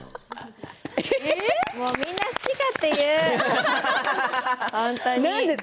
もう、みんな好き勝手言う、本当に。